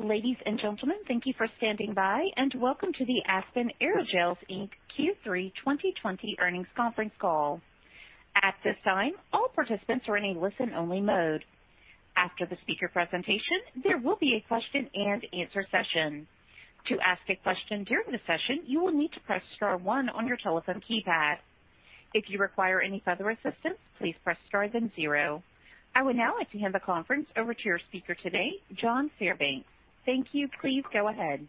Ladies and gentlemen, thank you for standing by, and welcome to the Aspen Aerogels, Inc. Q3 2020 earnings conference call. At this time, all participants are in a listen-only mode. After the speaker presentation, there will be a question-and-answer session. To ask a question during the session, you will need to press star one on your telephone keypad. If you require any further assistance, please press star then zero. I would now like to hand the conference over to your speaker today, John Fairbanks. Thank you. Please go ahead.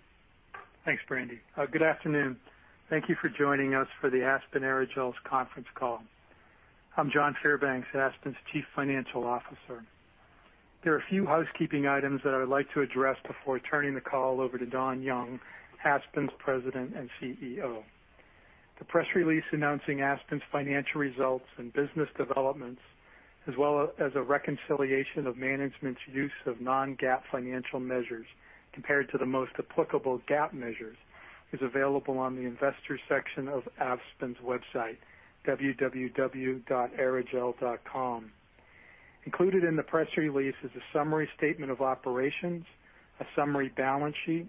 Thanks, Brandi. Good afternoon. Thank you for joining us for the Aspen Aerogels conference call. I'm John Fairbanks, Aspen's Chief Financial Officer. There are a few housekeeping items that I would like to address before turning the call over to Don Young, Aspen's President and CEO. The press release announcing Aspen's financial results and business developments, as well as a reconciliation of management's use of non-GAAP financial measures compared to the most applicable GAAP measures, is available on the investor section of Aspen's website, www.aerogels.com. Included in the press release is a summary statement of operations, a summary balance sheet,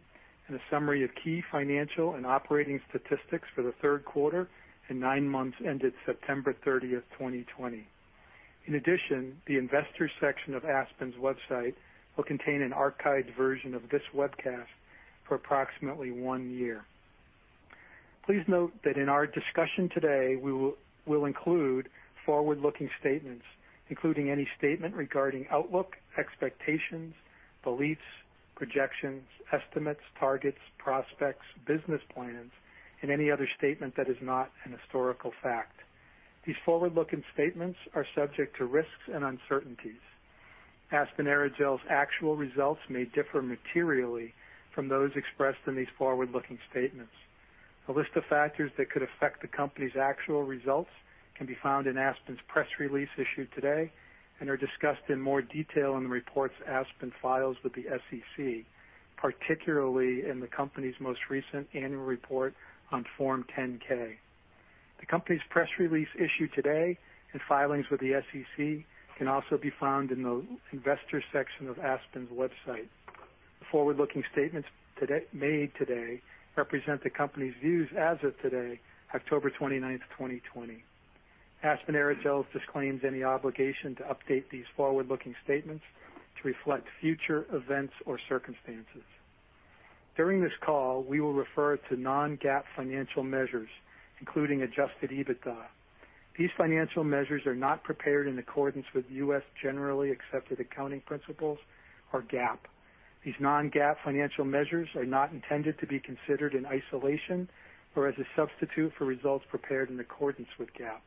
and a summary of key financial and operating statistics for the third quarter and nine months ended September 30, 2020. In addition, the investor section of Aspen's website will contain an archived version of this webcast for approximately one year. Please note that in our discussion today, we will include forward-looking statements, including any statement regarding outlook, expectations, beliefs, projections, estimates, targets, prospects, business plans, and any other statement that is not a historical fact. These forward-looking statements are subject to risks and uncertainties. Aspen Aerogels' actual results may differ materially from those expressed in these forward-looking statements. A list of factors that could affect the company's actual results can be found in Aspen's press release issued today and are discussed in more detail in the reports Aspen files with the SEC, particularly in the company's most recent annual report on Form 10-K. The company's press release issued today and filings with the SEC can also be found in the investor section of Aspen's website. The forward-looking statements made today represent the company's views as of today, October 29, 2020. Aspen Aerogels disclaims any obligation to update these forward-looking statements to reflect future events or circumstances. During this call, we will refer to non-GAAP financial measures, including Adjusted EBITDA. These financial measures are not prepared in accordance with U.S. Generally Accepted Accounting Principles or GAAP. These non-GAAP financial measures are not intended to be considered in isolation or as a substitute for results prepared in accordance with GAAP.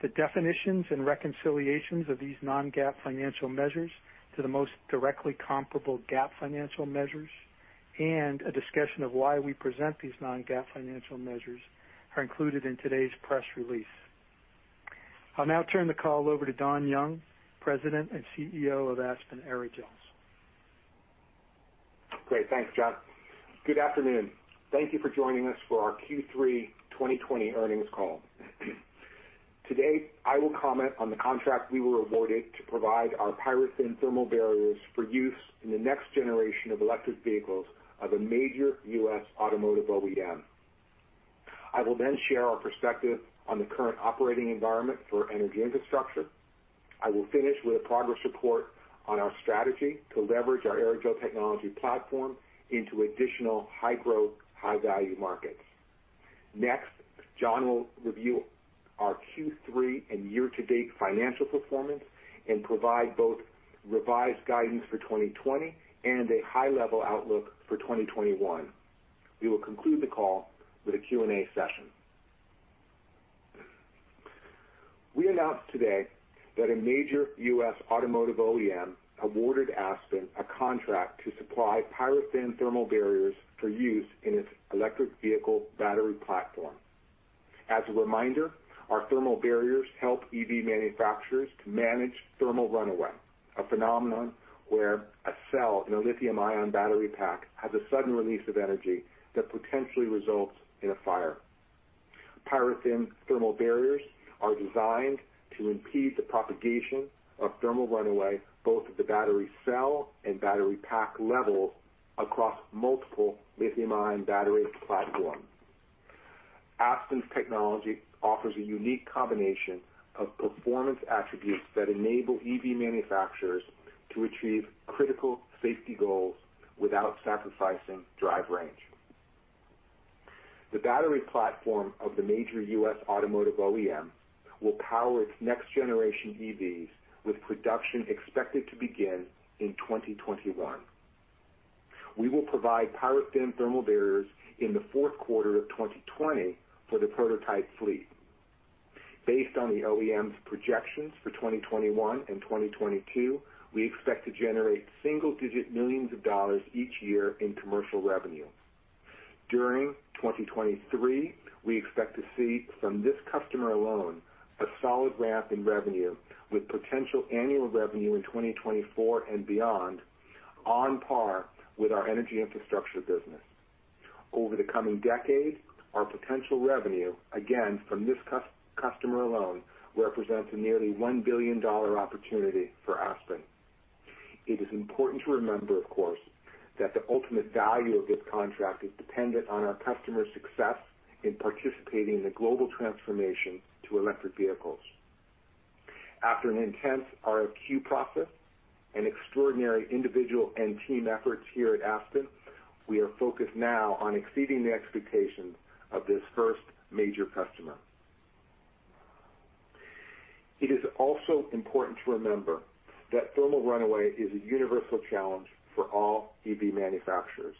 The definitions and reconciliations of these non-GAAP financial measures to the most directly comparable GAAP financial measures, and a discussion of why we present these non-GAAP financial measures, are included in today's press release. I'll now turn the call over to Don Young, President and CEO of Aspen Aerogels. Great. Thanks, John. Good afternoon. Thank you for joining us for our Q3 2020 earnings call. Today, I will comment on the contract we were awarded to provide our Pyrophilic Thermal Barriers for use in the next generation of electric vehicles of a major U.S. automotive OEM. I will then share our perspective on the current operating environment for energy infrastructure. I will finish with a progress report on our strategy to leverage our aerogel technology platform into additional high-growth, high-value markets. Next, John will review our Q3 and year-to-date financial performance and provide both revised guidance for 2020 and a high-level outlook for 2021. We will conclude the call with a Q&A session. We announced today that a major U.S. automotive OEM awarded Aspen a contract to supply Pyrophilic Thermal Barriers for use in its electric vehicle battery platform. As a reminder, our thermal barriers help EV manufacturers to manage thermal runaway, a phenomenon where a cell in a lithium-ion battery pack has a sudden release of energy that potentially results in a fire. Pyrophilic thermal barriers are designed to impede the propagation of thermal runaway both at the battery cell and battery pack level across multiple lithium-ion battery platforms. Aspen's technology offers a unique combination of performance attributes that enable EV manufacturers to achieve critical safety goals without sacrificing drive range. The battery platform of the major U.S. automotive OEM will power its next-generation EVs, with production expected to begin in 2021. We will provide pyrophilic thermal barriers in the fourth quarter of 2020 for the prototype fleet. Based on the OEM's projections for 2021 and 2022, we expect to generate single-digit millions of dollars each year in commercial revenue. During 2023, we expect to see, from this customer alone, a solid ramp in revenue, with potential annual revenue in 2024 and beyond, on par with our energy infrastructure business. Over the coming decade, our potential revenue, again from this customer alone, represents a nearly $1 billion opportunity for Aspen. It is important to remember, of course, that the ultimate value of this contract is dependent on our customer's success in participating in the global transformation to electric vehicles. After an intense RFQ process and extraordinary individual and team efforts here at Aspen, we are focused now on exceeding the expectations of this first major customer. It is also important to remember that thermal runaway is a universal challenge for all EV manufacturers.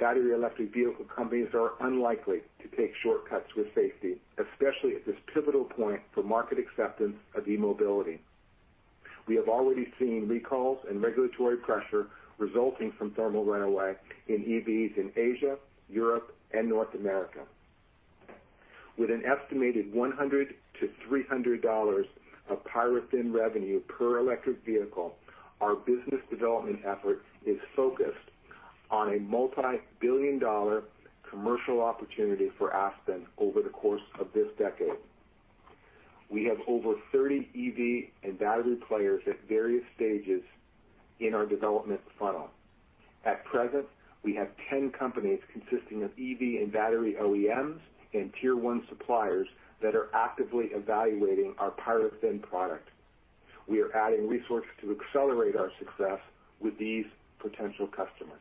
Battery electric vehicle companies are unlikely to take shortcuts with safety, especially at this pivotal point for market acceptance of e-mobility. We have already seen recalls and regulatory pressure resulting from thermal runaway in EVs in Asia, Europe, and North America. With an estimated $100-$300 of Pyrophilic revenue per electric vehicle, our business development effort is focused on a multi-billion dollar commercial opportunity for Aspen over the course of this decade. We have over 30 EV and battery players at various stages in our development funnel. At present, we have 10 companies consisting of EV and battery OEMs and tier one suppliers that are actively evaluating our Pyrophilic product. We are adding resources to accelerate our success with these potential customers.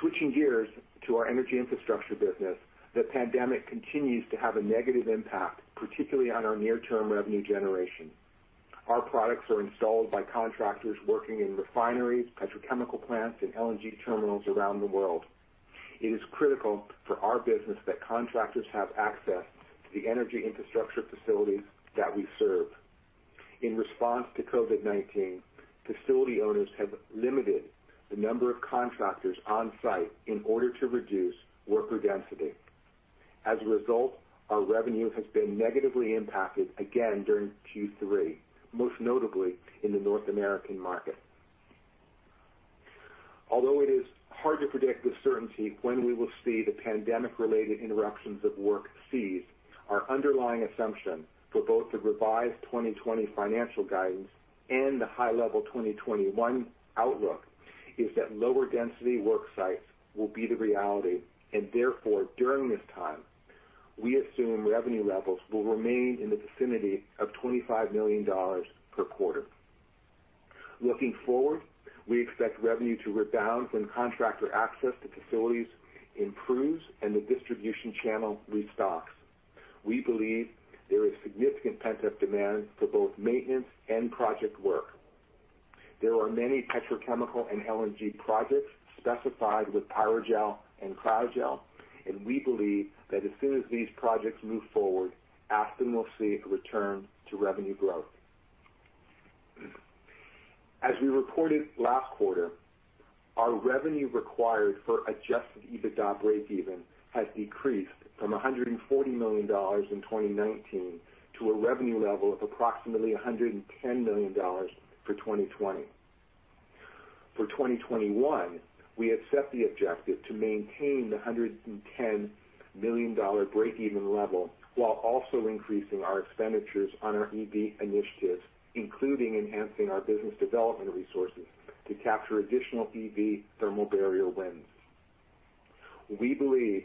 Switching gears to our energy infrastructure business, the pandemic continues to have a negative impact, particularly on our near-term revenue generation. Our products are installed by contractors working in refineries, petrochemical plants, and LNG terminals around the world. It is critical for our business that contractors have access to the energy infrastructure facilities that we serve. In response to COVID-19, facility owners have limited the number of contractors on site in order to reduce worker density. As a result, our revenue has been negatively impacted again during Q3, most notably in the North American market. Although it is hard to predict with certainty when we will see the pandemic-related interruptions of work cease, our underlying assumption for both the revised 2020 financial guidance and the high-level 2021 outlook is that lower-density work sites will be the reality, and therefore, during this time, we assume revenue levels will remain in the vicinity of $25 million per quarter. Looking forward, we expect revenue to rebound when contractor access to facilities improves and the distribution channel restocks. We believe there is significant pent-up demand for both maintenance and project work. There are many petrochemical and LNG projects specified with Pyrogel and Cryogel, and we believe that as soon as these projects move forward, Aspen will see a return to revenue growth. As we reported last quarter, our revenue required for Adjusted EBITDA break-even has decreased from $140 million in 2019 to a revenue level of approximately $110 million for 2020. For 2021, we have set the objective to maintain the $110 million break-even level while also increasing our expenditures on our EV initiatives, including enhancing our business development resources to capture additional EV thermal barrier wins. We believe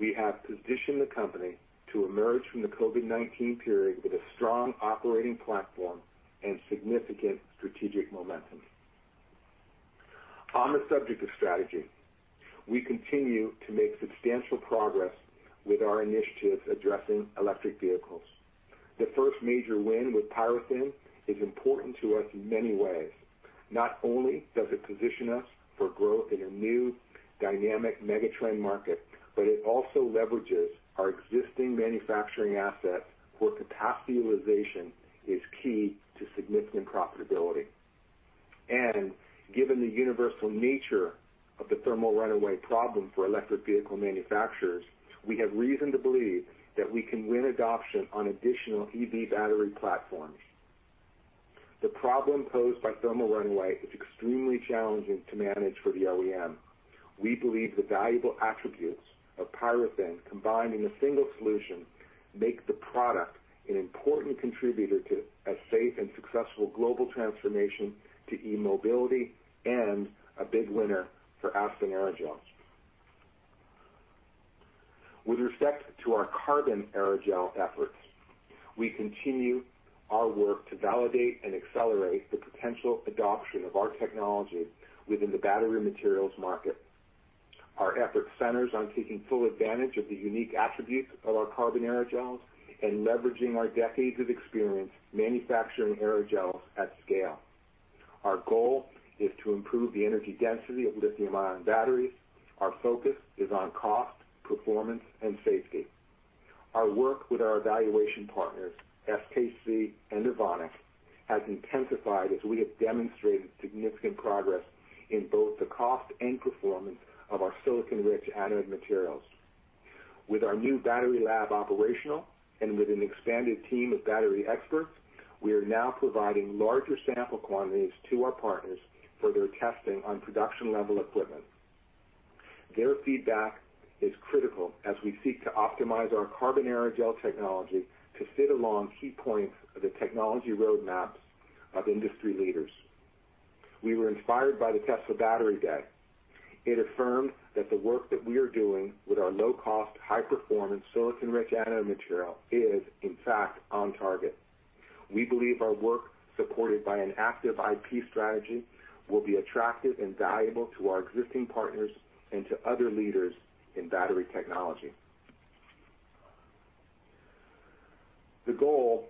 we have positioned the company to emerge from the COVID-19 period with a strong operating platform and significant strategic momentum. On the subject of strategy, we continue to make substantial progress with our initiatives addressing electric vehicles. The first major win with Pyrophilic is important to us in many ways. Not only does it position us for growth in a new, dynamic megatrend market, but it also leverages our existing manufacturing assets where capacity utilization is key to significant profitability. And given the universal nature of the thermal runaway problem for electric vehicle manufacturers, we have reason to believe that we can win adoption on additional EV battery platforms. The problem posed by thermal runaway is extremely challenging to manage for the OEM. We believe the valuable attributes of Pyrophilic combined in a single solution make the product an important contributor to a safe and successful global transformation to e-mobility and a big winner for Aspen Aerogels. With respect to our carbon aerogel efforts, we continue our work to validate and accelerate the potential adoption of our technology within the battery materials market. Our effort centers on taking full advantage of the unique attributes of our carbon aerogels and leveraging our decades of experience manufacturing aerogels at scale. Our goal is to improve the energy density of lithium-ion batteries. Our focus is on cost, performance, and safety. Our work with our evaluation partners, SKC and Evonik, has intensified as we have demonstrated significant progress in both the cost and performance of our silicon-rich anode materials. With our new battery lab operational and with an expanded team of battery experts, we are now providing larger sample quantities to our partners for their testing on production-level equipment. Their feedback is critical as we seek to optimize our carbon aerogel technology to fit along key points of the technology roadmaps of industry leaders. We were inspired by the Tesla Battery Day. It affirmed that the work that we are doing with our low-cost, high-performance silicon-rich anode material is, in fact, on target. We believe our work, supported by an active IP strategy, will be attractive and valuable to our existing partners and to other leaders in battery technology. The goal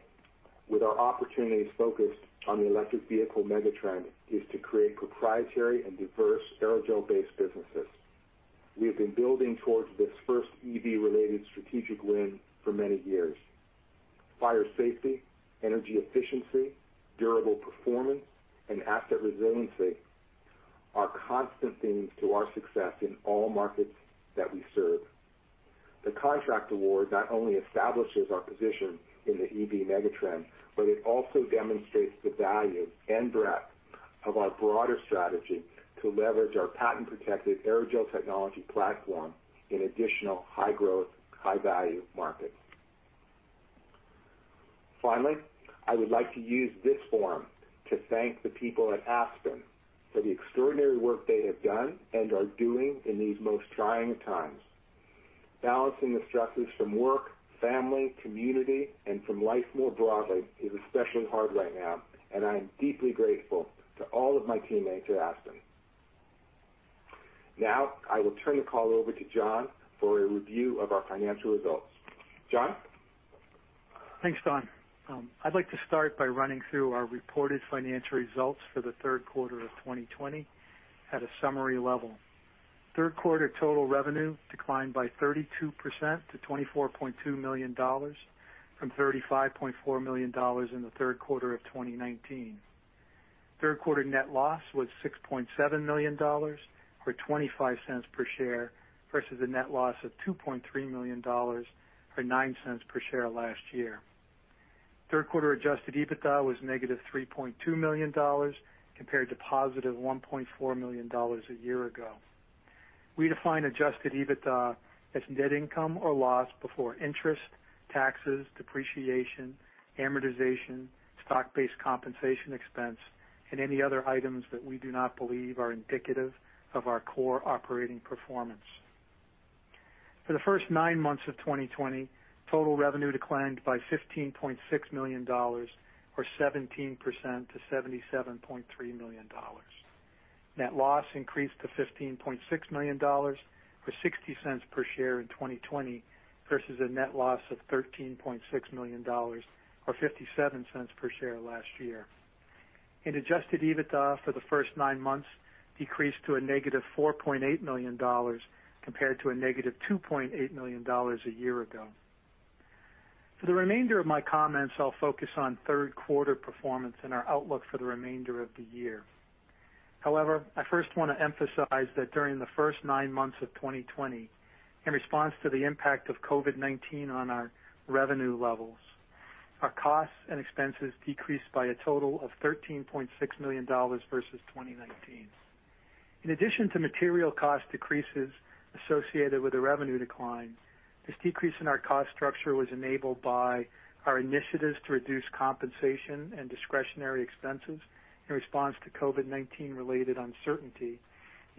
with our opportunities focused on the electric vehicle megatrend is to create proprietary and diverse aerogel-based businesses. We have been building towards this first EV-related strategic win for many years. Fire safety, energy efficiency, durable performance, and asset resiliency are constant themes to our success in all markets that we serve. The contract award not only establishes our position in the EV megatrend, but it also demonstrates the value and breadth of our broader strategy to leverage our patent-protected aerogel technology platform in additional high-growth, high-value markets. Finally, I would like to use this forum to thank the people at Aspen for the extraordinary work they have done and are doing in these most trying times. Balancing the stresses from work, family, community, and from life more broadly is especially hard right now, and I am deeply grateful to all of my teammates at Aspen. Now, I will turn the call over to John for a review of our financial results. John? Thanks, Don. I'd like to start by running through our reported financial results for the third quarter of 2020 at a summary level. Third quarter total revenue declined by 32% to $24.2 million from $35.4 million in the third quarter of 2019. Third quarter net loss was $6.7 million or $0.25 per share versus a net loss of $2.3 million or $0.09 per share last year. Third quarter Adjusted EBITDA was negative $3.2 million compared to positive $1.4 million a year ago. We define Adjusted EBITDA as net income or loss before interest, taxes, depreciation, amortization, stock-based compensation expense, and any other items that we do not believe are indicative of our core operating performance. For the first nine months of 2020, total revenue declined by $15.6 million or 17% to $77.3 million. Net loss increased to $15.6 million or $0.60 per share in 2020 versus a net loss of $13.6 million or $0.57 per share last year. Adjusted EBITDA for the first nine months decreased to a negative $4.8 million compared to a negative $2.8 million a year ago. For the remainder of my comments, I'll focus on third quarter performance and our outlook for the remainder of the year. However, I first want to emphasize that during the first nine months of 2020, in response to the impact of COVID-19 on our revenue levels, our costs and expenses decreased by a total of $13.6 million versus 2019. In addition to material cost decreases associated with the revenue decline, this decrease in our cost structure was enabled by our initiatives to reduce compensation and discretionary expenses in response to COVID-19-related uncertainty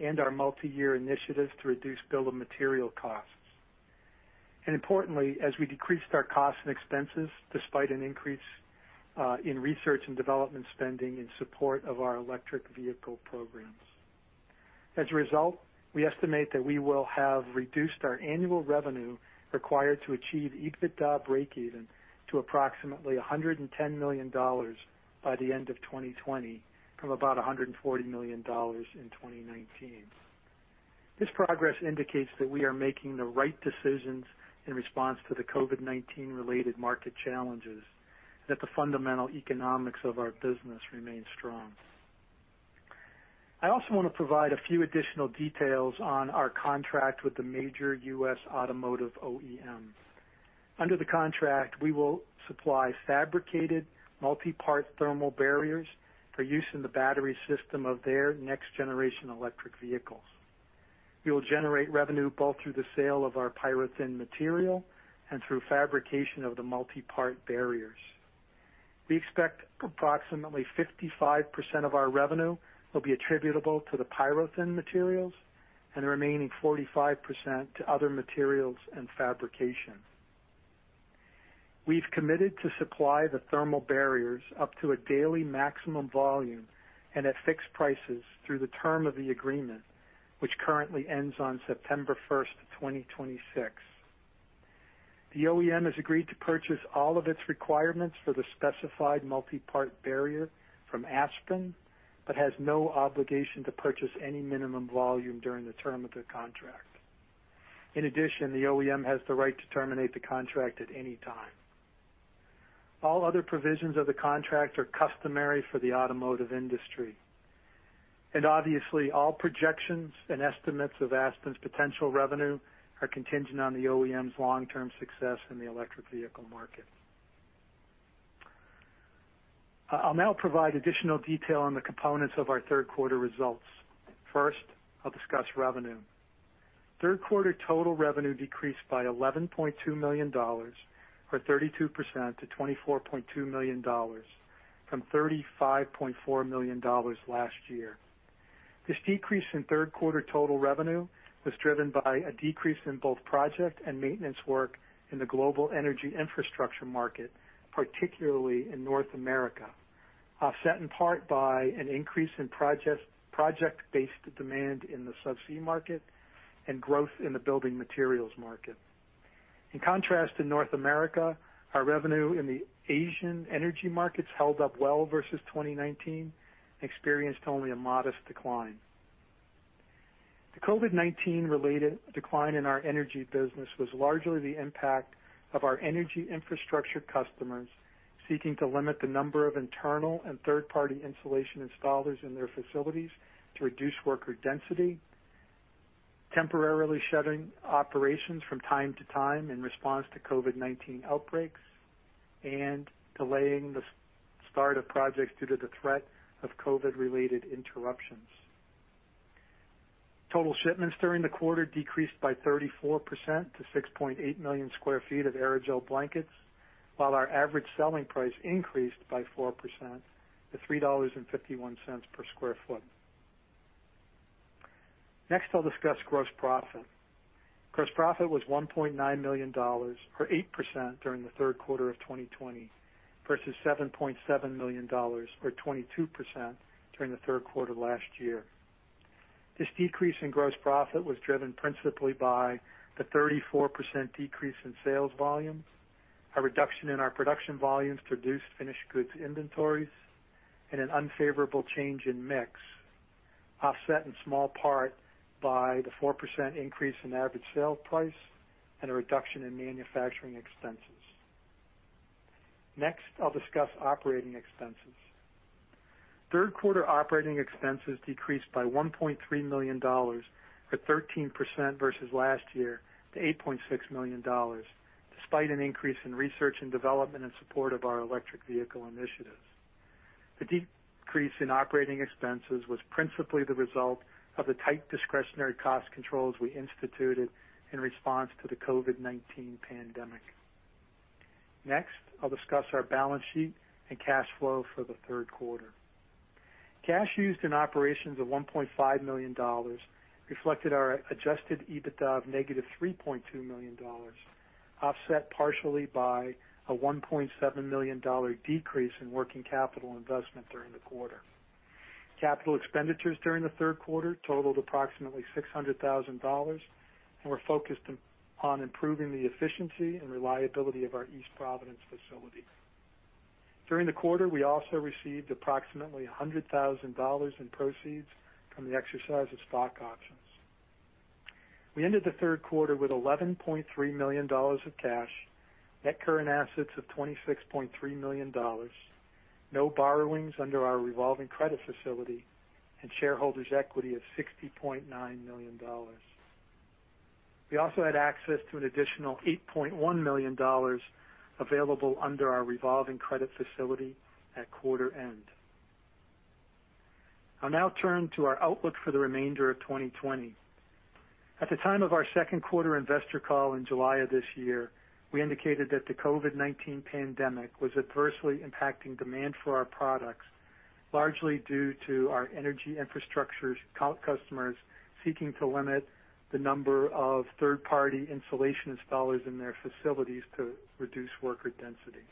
and our multi-year initiatives to reduce bill of material costs. And importantly, as we decreased our costs and expenses despite an increase in research and development spending in support of our electric vehicle programs. As a result, we estimate that we will have reduced our annual revenue required to achieve EBITDA break-even to approximately $110 million by the end of 2020 from about $140 million in 2019. This progress indicates that we are making the right decisions in response to the COVID-19-related market challenges and that the fundamental economics of our business remain strong. I also want to provide a few additional details on our contract with the major U.S. automotive OEM. Under the contract, we will supply fabricated multi-part thermal barriers for use in the battery system of their next-generation electric vehicles. We will generate revenue both through the sale of our pyrophilic material and through fabrication of the multi-part barriers. We expect approximately 55% of our revenue will be attributable to the pyrophilic materials and the remaining 45% to other materials and fabrication. We've committed to supply the thermal barriers up to a daily maximum volume and at fixed prices through the term of the agreement, which currently ends on September 1st, 2026. The OEM has agreed to purchase all of its requirements for the specified multi-part barrier from Aspen but has no obligation to purchase any minimum volume during the term of the contract. In addition, the OEM has the right to terminate the contract at any time. All other provisions of the contract are customary for the automotive industry, and obviously, all projections and estimates of Aspen's potential revenue are contingent on the OEM's long-term success in the electric vehicle market. I'll now provide additional detail on the components of our third quarter results. First, I'll discuss revenue. Third quarter total revenue decreased by $11.2 million or 32% to $24.2 million from $35.4 million last year. This decrease in third quarter total revenue was driven by a decrease in both project and maintenance work in the global energy infrastructure market, particularly in North America, offset in part by an increase in project-based demand in the subsea market and growth in the building materials market. In contrast to North America, our revenue in the Asian energy markets held up well versus 2019 and experienced only a modest decline. The COVID-19-related decline in our energy business was largely the impact of our energy infrastructure customers seeking to limit the number of internal and third-party insulation installers in their facilities to reduce worker density, temporarily shutting operations from time to time in response to COVID-19 outbreaks, and delaying the start of projects due to the threat of COVID-related interruptions. Total shipments during the quarter decreased by 34% to 6.8 million sq ft of aerogel blankets, while our average selling price increased by 4% to $3.51 per sq ft. Next, I'll discuss gross profit. Gross profit was $1.9 million or 8% during the third quarter of 2020 versus $7.7 million or 22% during the third quarter last year. This decrease in gross profit was driven principally by the 34% decrease in sales volume, a reduction in our production volumes to reduce finished goods inventories, and an unfavorable change in mix, offset in small part by the 4% increase in average sale price and a reduction in manufacturing expenses. Next, I'll discuss operating expenses. Third quarter operating expenses decreased by $1.3 million or 13% versus last year to $8.6 million despite an increase in research and development in support of our electric vehicle initiatives. The decrease in operating expenses was principally the result of the tight discretionary cost controls we instituted in response to the COVID-19 pandemic. Next, I'll discuss our balance sheet and cash flow for the third quarter. Cash used in operations of $1.5 million reflected our Adjusted EBITDA of negative $3.2 million, offset partially by a $1.7 million decrease in working capital investment during the quarter. Capital expenditures during the third quarter totaled approximately $600,000 and were focused on improving the efficiency and reliability of our East Providence facility. During the quarter, we also received approximately $100,000 in proceeds from the exercise of stock options. We ended the third quarter with $11.3 million of cash, net current assets of $26.3 million, no borrowings under our revolving credit facility, and shareholders' equity of $60.9 million. We also had access to an additional $8.1 million available under our revolving credit facility at quarter end. I'll now turn to our outlook for the remainder of 2020. At the time of our second quarter investor call in July of this year, we indicated that the COVID-19 pandemic was adversely impacting demand for our products, largely due to our energy infrastructure customers seeking to limit the number of third-party insulation installers in their facilities to reduce worker density.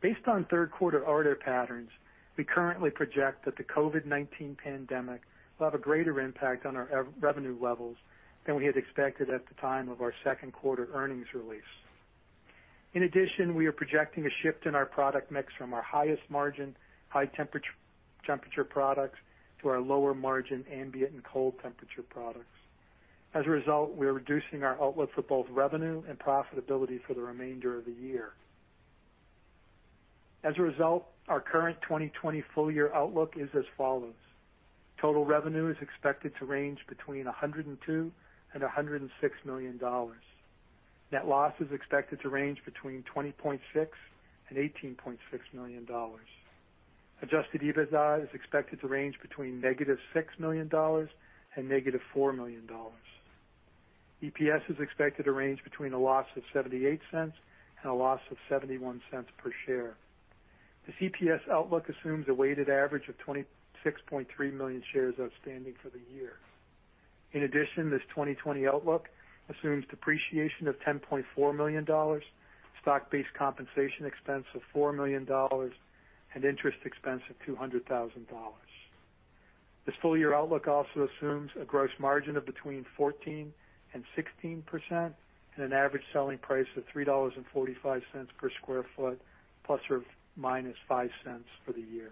Based on third quarter order patterns, we currently project that the COVID-19 pandemic will have a greater impact on our revenue levels than we had expected at the time of our second quarter earnings release. In addition, we are projecting a shift in our product mix from our highest margin, high temperature products to our lower margin, ambient, and cold temperature products. As a result, we are reducing our outlook for both revenue and profitability for the remainder of the year. As a result, our current 2020 full-year outlook is as follows. Total revenue is expected to range between $102 and $106 million. Net loss is expected to range between $20.6 and $18.6 million. Adjusted EBITDA is expected to range between negative $6 million and negative $4 million. EPS is expected to range between a loss of $0.78 and a loss of $0.71 per share. This EPS outlook assumes a weighted average of 26.3 million shares outstanding for the year. In addition, this 2020 outlook assumes depreciation of $10.4 million, stock-based compensation expense of $4 million, and interest expense of $200,000. This full-year outlook also assumes a gross margin of between 14% and 16% and an average selling price of $3.45 per sq ft plus or minus $0.05 for the year.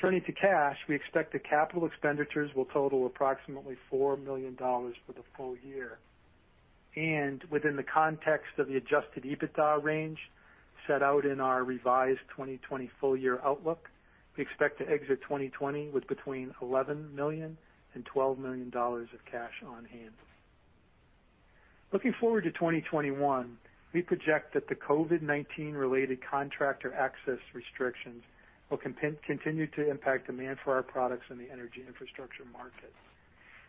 Turning to cash, we expect that capital expenditures will total approximately $4 million for the full year and within the context of the Adjusted EBITDA range set out in our revised 2020 full-year outlook, we expect to exit 2020 with between $11 million and $12 million of cash on hand. Looking forward to 2021, we project that the COVID-19-related contractor access restrictions will continue to impact demand for our products in the energy infrastructure market.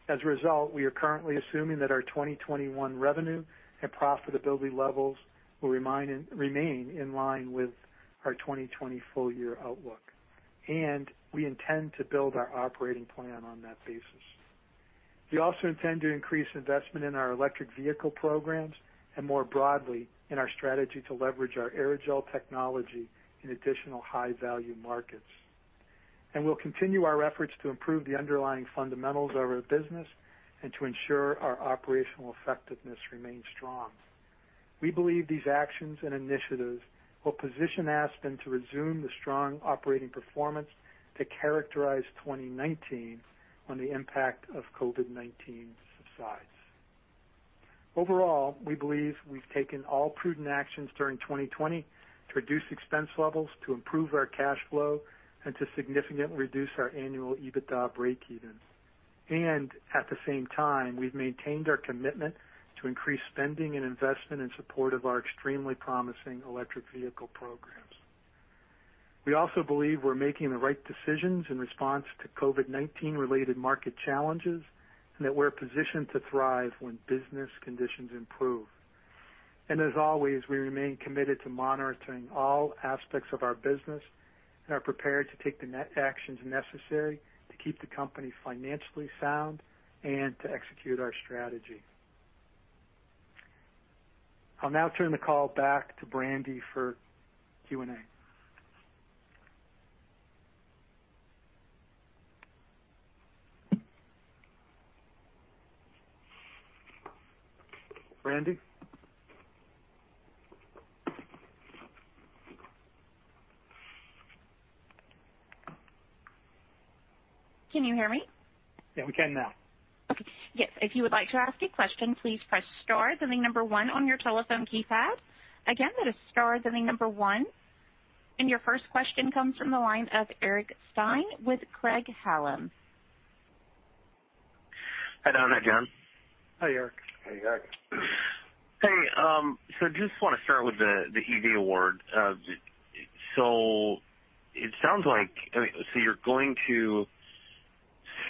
As a result, we are currently assuming that our 2021 revenue and profitability levels will remain in line with our 2020 full-year outlook, and we intend to build our operating plan on that basis. We also intend to increase investment in our electric vehicle programs and more broadly in our strategy to leverage our aerogel technology in additional high-value markets. We'll continue our efforts to improve the underlying fundamentals of our business and to ensure our operational effectiveness remains strong. We believe these actions and initiatives will position Aspen to resume the strong operating performance that characterized 2019 when the impact of COVID-19 subsides. Overall, we believe we've taken all prudent actions during 2020 to reduce expense levels, to improve our cash flow, and to significantly reduce our annual EBITDA break-even. And at the same time, we've maintained our commitment to increase spending and investment in support of our extremely promising electric vehicle programs. We also believe we're making the right decisions in response to COVID-19-related market challenges and that we're positioned to thrive when business conditions improve. As always, we remain committed to monitoring all aspects of our business and are prepared to take any actions necessary to keep the company financially sound and to execute our strategy. I'll now turn the call back to Brandi for Q&A. Brandi? Can you hear me? Yeah, we can now. Okay. Yes. If you would like to ask a question, please press star at the number one on your telephone keypad. Again, that is star at the number one. And your first question comes from the line of Eric Stine with Craig-Hallum. Hey, Don. Hey, John. Hi, Eric. Hey, Eric. Hey. So I just want to start with the EV award. So it sounds like you're going to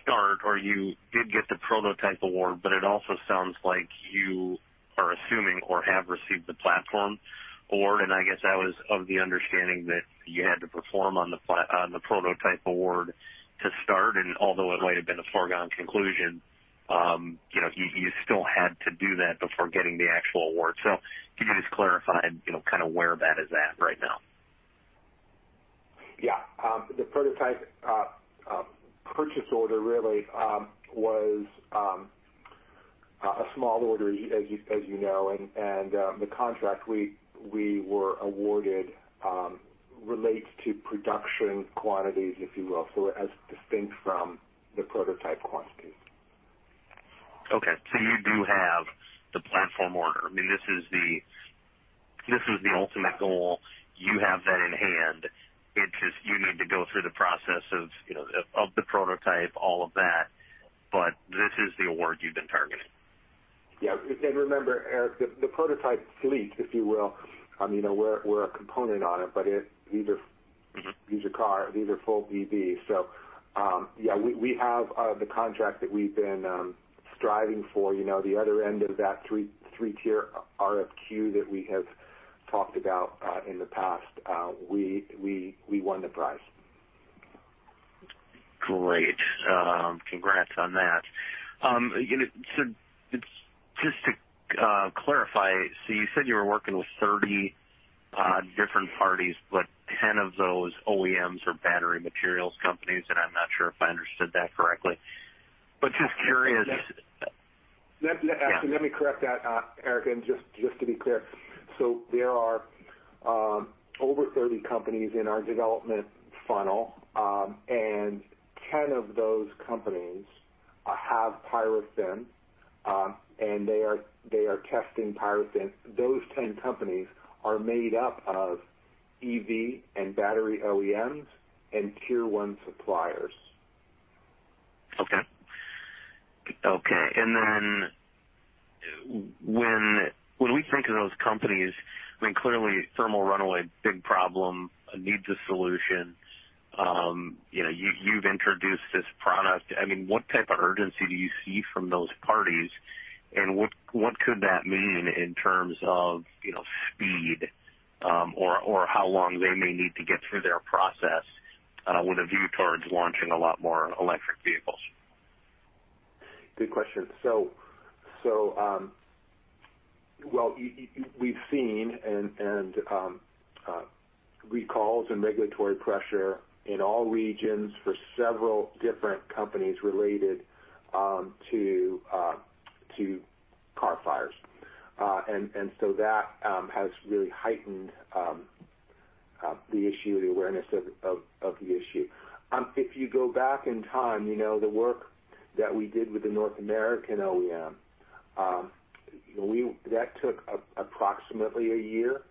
start, or you did get the prototype award, but it also sounds like you are assuming or have received the platform award. And I guess I was of the understanding that you had to perform on the prototype award to start. And although it might have been a foregone conclusion, you still had to do that before getting the actual award. So could you just clarify kind of where that is at right now? Yeah. The prototype purchase order really was a small order, as you know, and the contract we were awarded relates to production quantities, if you will, so it's distinct from the prototype quantities. Okay, so you do have the platform order. I mean, this is the ultimate goal. You have that in hand. It's just you need to go through the process of the prototype, all of that, but this is the award you've been targeting. Yeah. And remember, Eric, the prototype fleet, if you will, we're a component on it, but these are full EVs. So yeah, we have the contract that we've been striving for. The other end of that three-tier RFQ that we have talked about in the past, we won the prize. Great. Congrats on that. So just to clarify, so you said you were working with 30 different parties, but 10 of those OEMs are battery materials companies, and I'm not sure if I understood that correctly. But just curious. Let me correct that, Eric, and just to be clear, so there are over 30 companies in our development funnel, and 10 of those companies have PyroThin, and they are testing PyroThin. Those 10 companies are made up of EV and battery OEMs and tier one suppliers. And then when we think of those companies, I mean, clearly, thermal runaway, big problem, needs a solution. You've introduced this product. I mean, what type of urgency do you see from those parties, and what could that mean in terms of speed or how long they may need to get through their process with a view towards launching a lot more electric vehicles? Good question. So, well, we've seen recalls and regulatory pressure in all regions for several different companies related to car fires. And so that has really heightened the issue, the awareness of the issue. If you go back in time, the work that we did with the North American OEM, that took approximately a year.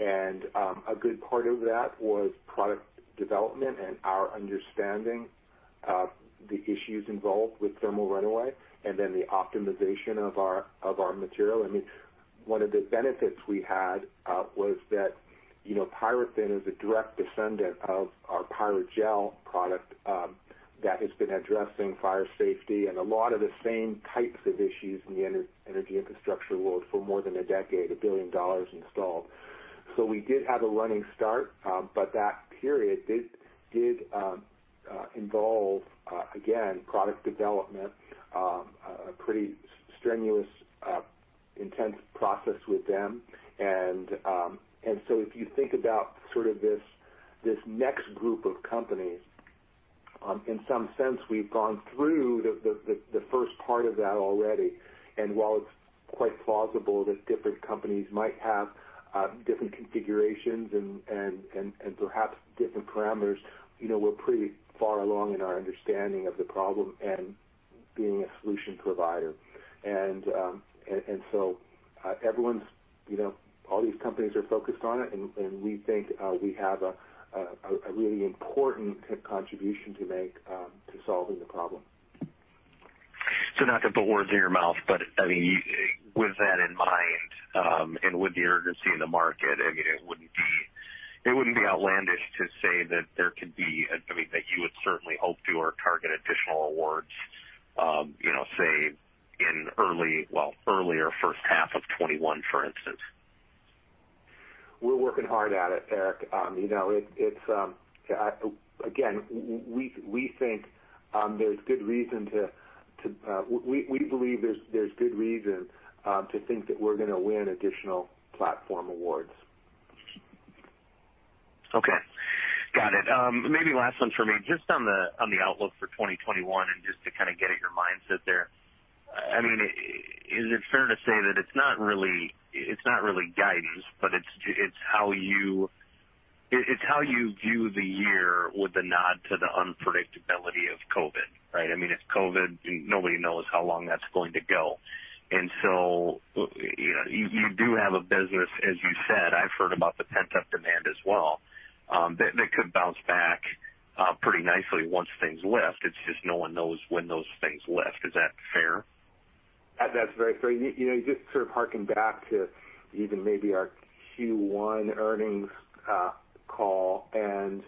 And a good part of that was product development and our understanding of the issues involved with thermal runaway and then the optimization of our material. I mean, one of the benefits we had was that PyroThin is a direct descendant of our Pyrogel product that has been addressing fire safety and a lot of the same types of issues in the energy infrastructure world for more than a decade, $1 billion installed. So we did have a running start, but that period did involve, again, product development, a pretty strenuous, intense process with them. And so if you think about sort of this next group of companies, in some sense, we've gone through the first part of that already. And while it's quite plausible that different companies might have different configurations and perhaps different parameters, we're pretty far along in our understanding of the problem and being a solution provider. And so all these companies are focused on it, and we think we have a really important contribution to make to solving the problem. So, not to put words in your mouth, but I mean, with that in mind and with the urgency in the market, I mean, it wouldn't be outlandish to say that there could be, I mean, that you would certainly hope to or target additional awards, say, in early or first half of 2021, for instance. We're working hard at it, Eric. Again, we believe there's good reason to think that we're going to win additional platform awards. Okay. Got it. Maybe last one for me. Just on the outlook for 2021 and just to kind of get at your mindset there, I mean, is it fair to say that it's not really guidance, but it's how you view the year with a nod to the unpredictability of COVID, right? I mean, it's COVID, and nobody knows how long that's going to go. And so you do have a business, as you said. I've heard about the pent-up demand as well that could bounce back pretty nicely once things lift. It's just no one knows when those things lift. Is that fair? That's very fair. Just sort of harking back to even maybe our Q1 earnings call and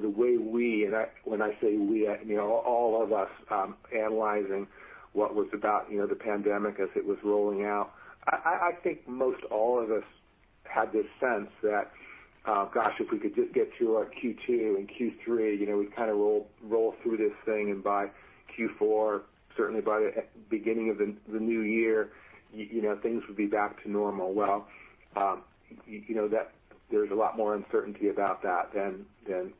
the way we, and when I say we, I mean all of us, analyzing what was about the pandemic as it was rolling out. I think most all of us had this sense that, gosh, if we could just get through our Q2 and Q3, we'd kind of roll through this thing, and by Q4, certainly by the beginning of the new year, things would be back to normal, well, there's a lot more uncertainty about that than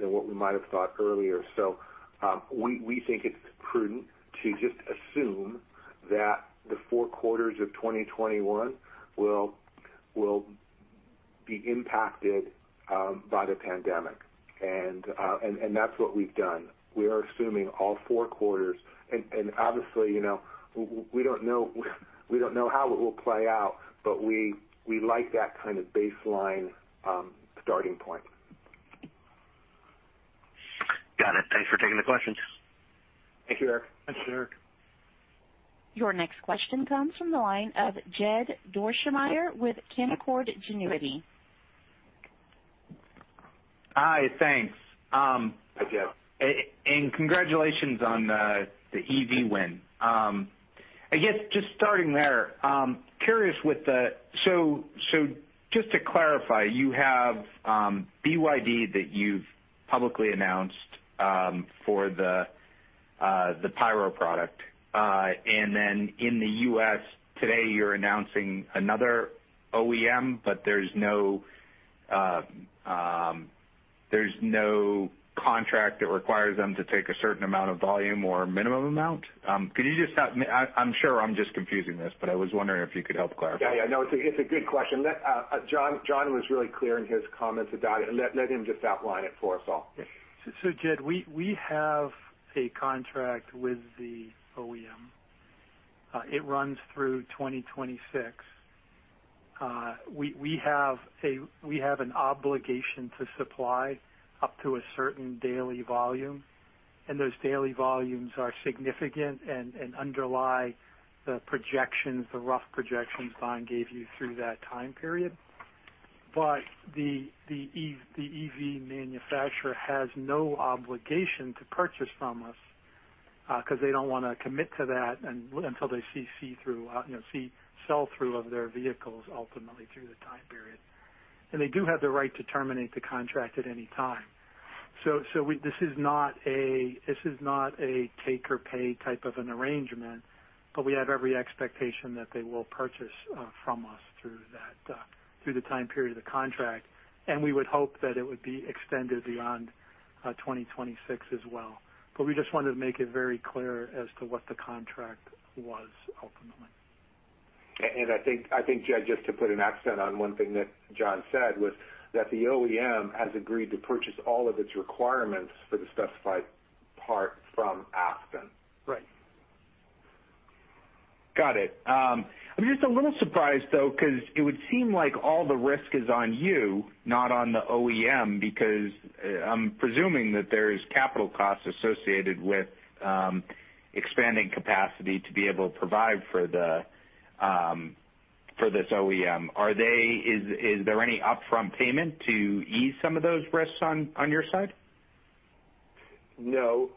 what we might have thought earlier, so we think it's prudent to just assume that the four quarters of 2021 will be impacted by the pandemic, and that's what we've done. We are assuming all four quarters, and obviously, we don't know how it will play out, but we like that kind of baseline starting point. Got it. Thanks for taking the questions. Thank you, Eric. Thanks, Eric. Your next question comes from the line of Jed Dorsheimer with Canaccord Genuity. Hi. Thanks. And congratulations on the EV win. I guess just starting there, curious with the, so just to clarify, you have BYD that you've publicly announced for the pyro product. And then in the U.S., today, you're announcing another OEM, but there's no contract that requires them to take a certain amount of volume or minimum amount. Could you just, I'm sure I'm just confusing this, but I was wondering if you could help clarify. Yeah. No, it's a good question. John was really clear in his comments about it. Let him just outline it for us all. Jed, we have a contract with the OEM. It runs through 2026. We have an obligation to supply up to a certain daily volume. And those daily volumes are significant and underlie the projections, the rough projections Don gave you through that time period. But the EV manufacturer has no obligation to purchase from us because they don't want to commit to that until they see sell-through of their vehicles ultimately through the time period. And they do have the right to terminate the contract at any time. So this is not a take-or-pay type of an arrangement, but we have every expectation that they will purchase from us through the time period of the contract. And we would hope that it would be extended beyond 2026 as well. But we just wanted to make it very clear as to what the contract was ultimately. I think, Jed, just to put an emphasis on one thing that John said was that the OEM has agreed to purchase all of its requirements for the specified part from Aspen. Right. Got it. I'm just a little surprised, though, because it would seem like all the risk is on you, not on the OEM, because I'm presuming that there is capital costs associated with expanding capacity to be able to provide for this OEM. Is there any upfront payment to ease some of those risks on your side? No.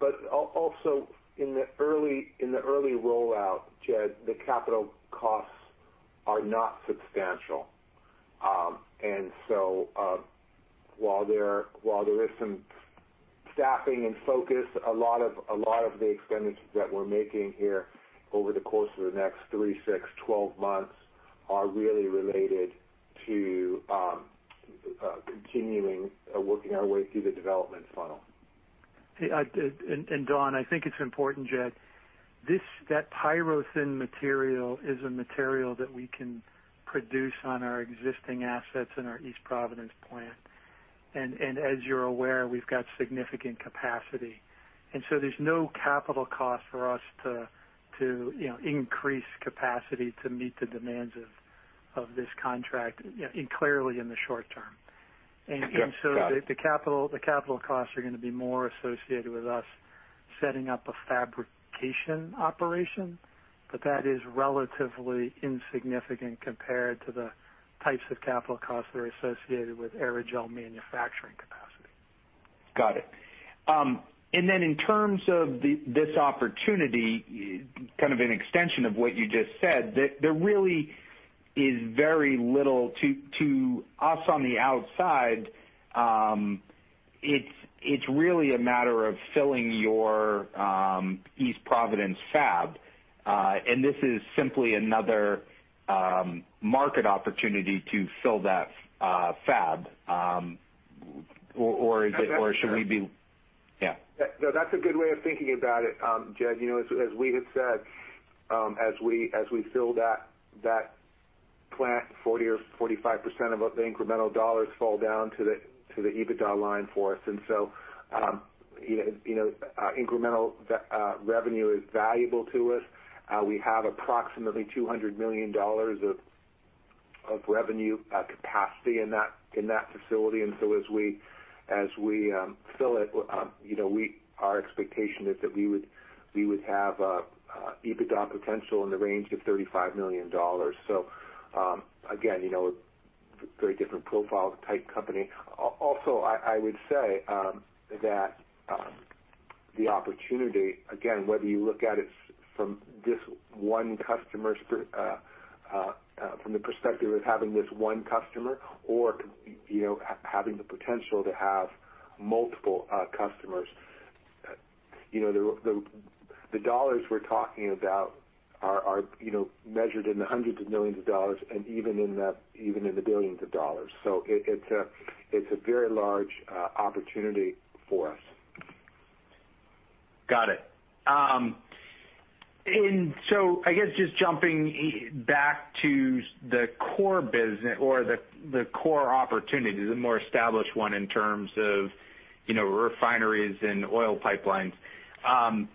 But also, in the early rollout, Jed, the capital costs are not substantial and so while there is some staffing and focus, a lot of the expenditures that we're making here over the course of the next three, six, 12 months are really related to continuing working our way through the development funnel. And Don, I think it's important, Jed. That PyroThin material is a material that we can produce on our existing assets in our East Providence plant. And as you're aware, we've got significant capacity. And so there's no capital cost for us to increase capacity to meet the demands of this contract clearly in the short term. And so the capital costs are going to be more associated with us setting up a fabrication operation, but that is relatively insignificant compared to the types of capital costs that are associated with aerogel manufacturing capacity. Got it. And then in terms of this opportunity, kind of an extension of what you just said, there really is very little to us on the outside. It's really a matter of filling your East Providence fab. And this is simply another market opportunity to fill that fab. Or should we be? Yeah. No, that's a good way of thinking about it, Jed. As we had said, as we fill that plant, 40% or 45% of the incremental dollars fall down to the EBITDA line for us. And so incremental revenue is valuable to us. We have approximately $200 million of revenue capacity in that facility. And so as we fill it, our expectation is that we would have EBITDA potential in the range of $35 million. So again, a very different profile type company. Also, I would say that the opportunity, again, whether you look at it from this one customer's perspective of having this one customer or having the potential to have multiple customers, the dollars we're talking about are measured in the hundreds of millions of dollars and even in the billions of dollars. So it's a very large opportunity for us. Got it. And so I guess just jumping back to the core business or the core opportunity, the more established one in terms of refineries and oil pipelines. I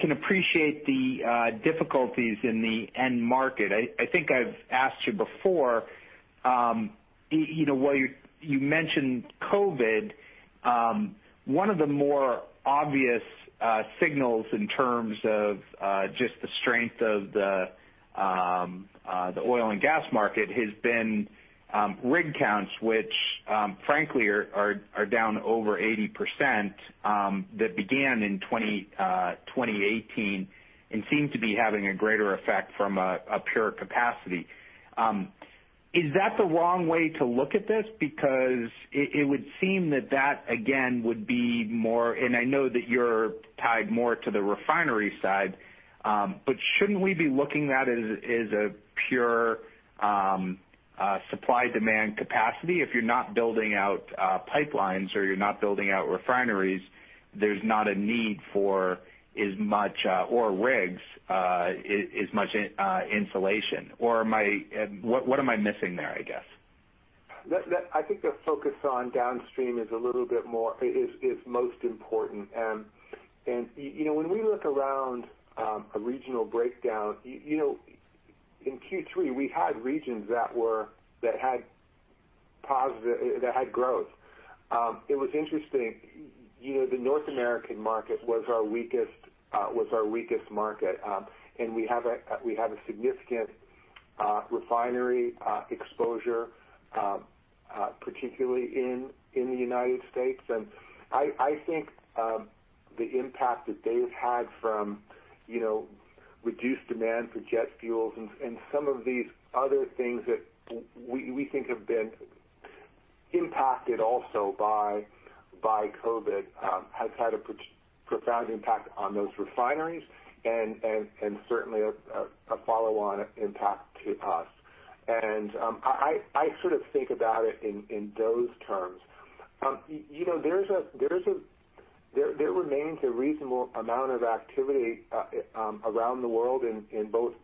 can appreciate the difficulties in the end market. I think I've asked you before. While you mentioned COVID, one of the more obvious signals in terms of just the strength of the oil and gas market has been rig counts, which frankly are down over 80% that began in 2018 and seem to be having a greater effect from a pure capacity. Is that the wrong way to look at this? Because it would seem that that, again, would be more, and I know that you're tied more to the refinery side, but shouldn't we be looking at it as a pure supply-demand capacity? If you're not building out pipelines or you're not building out refineries, there's not a need for as much oil rigs, as much insulation. Or what am I missing there, I guess? I think the focus on downstream is a little bit more is most important. And when we look around a regional breakdown, in Q3, we had regions that had growth. It was interesting. The North American market was our weakest market. And we have a significant refinery exposure, particularly in the United States. And I think the impact that they've had from reduced demand for jet fuels and some of these other things that we think have been impacted also by COVID has had a profound impact on those refineries and certainly a follow-on impact to us. And I sort of think about it in those terms. There remains a reasonable amount of activity around the world in both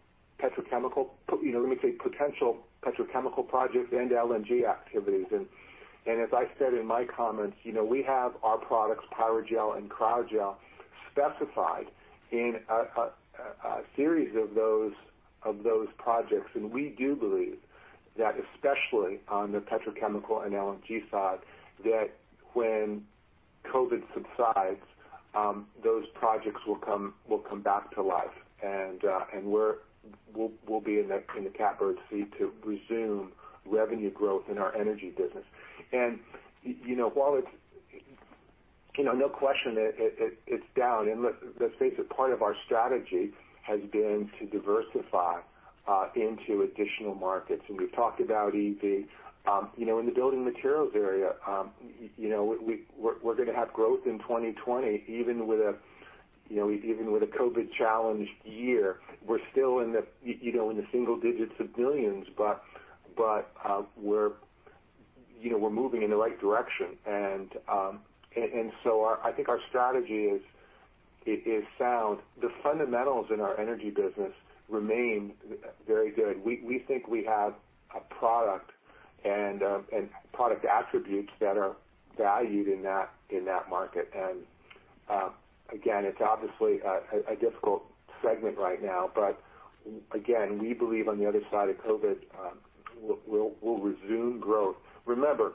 petrochemical, let me say potential petrochemical projects and LNG activities. And as I said in my comments, we have our products, Pyrogel and Cryogel, specified in a series of those projects. And we do believe that, especially on the petrochemical and LNG side, that when COVID subsides, those projects will come back to life. And we'll be in the catbird seat to resume revenue growth in our energy business. And while it's no question that it's down, and let's face it, part of our strategy has been to diversify into additional markets. And we've talked about EV. In the building materials area, we're going to have growth in 2020, even with a COVID-challenged year. We're still in the single digits of millions, but we're moving in the right direction. And so I think our strategy is sound. The fundamentals in our energy business remain very good. We think we have a product and product attributes that are valued in that market. And again, it's obviously a difficult segment right now. But again, we believe on the other side of COVID, we'll resume growth. Remember,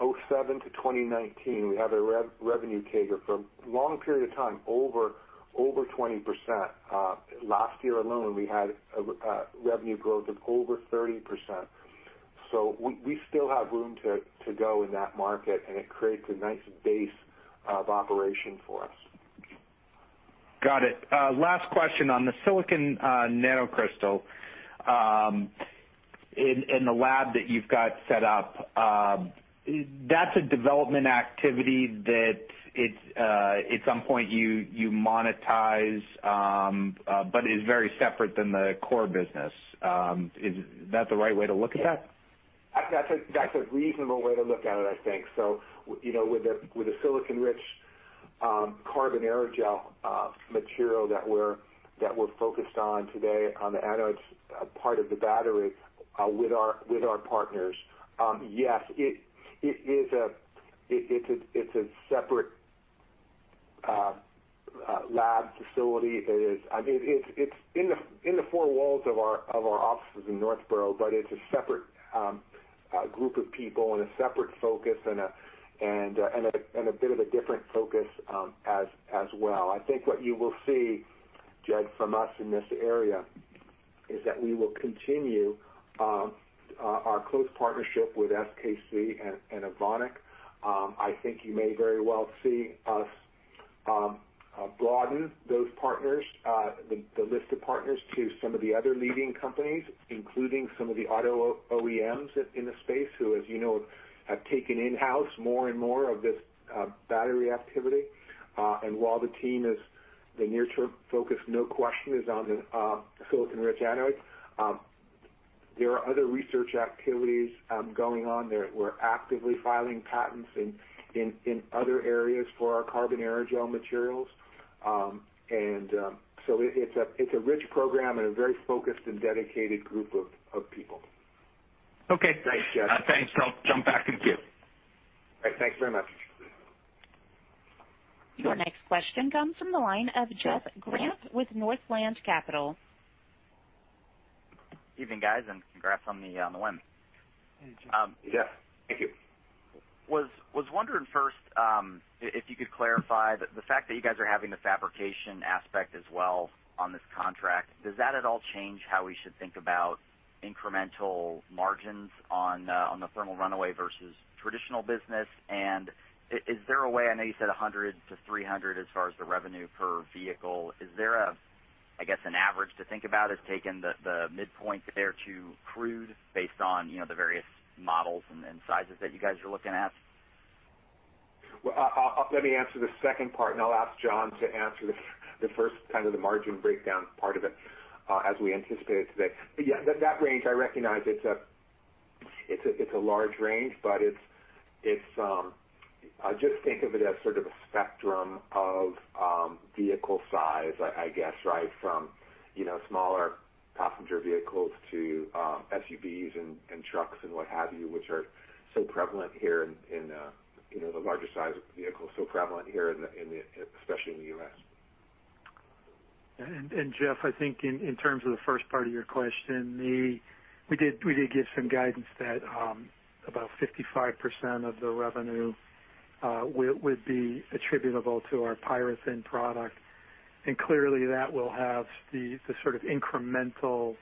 2007 to 2019, we had a revenue CAGR for a long period of time over 20%. Last year alone, we had revenue growth of over 30%. So we still have room to go in that market, and it creates a nice base of operation for us. Got it. Last question on the silicon nanocrystal in the lab that you've got set up. That's a development activity that at some point you monetize, but it's very separate than the core business. Is that the right way to look at that? That's a reasonable way to look at it, I think. So with the silicon-rich carbon aerogel material that we're focused on today on the anodes, part of the battery with our partners, yes, it is a separate lab facility. It's in the four walls of our offices in Northborough, but it's a separate group of people and a separate focus and a bit of a different focus as well. I think what you will see, Jed, from us in this area is that we will continue our close partnership with SKC and Evonik. I think you may very well see us broaden those partners, the list of partners, to some of the other leading companies, including some of the auto OEMs in the space who, as you know, have taken in-house more and more of this battery activity. And while the team is the near-term focus, no question is on the silicon-rich anodes. There are other research activities going on there. We're actively filing patents in other areas for our carbon aerogel materials. And so it's a rich program and a very focused and dedicated group of people. Okay. Thanks, Jed. Thanks. I'll jump back in with you. All right. Thanks very much. Your next question comes from the line of Jeff Grampp with Northland Capital Markets. Evening, guys. And congrats on the win. Hey, Jeff. Thank you. Was wondering first if you could clarify the fact that you guys are having the fabrication aspect as well on this contract. Does that at all change how we should think about incremental margins on the thermal runaway versus traditional business? And is there a way, I know you said $100-$300 as far as the revenue per vehicle, is there, I guess, an average to think about as taking the midpoint there to crudely base based on the various models and sizes that you guys are looking at? Let me answer the second part, and I'll ask John to answer the first kind of the margin breakdown part of it as we anticipate it today. Yeah, that range, I recognize it's a large range, but I just think of it as sort of a spectrum of vehicle size, I guess, right, from smaller passenger vehicles to SUVs and trucks and what have you, which are so prevalent here in the larger size vehicles, so prevalent here, especially in the U.S. Jeff, I think in terms of the first part of your question, we did give some guidance that about 55% of the revenue would be attributable to our PyroThin product. Clearly, that will have the sort of incremental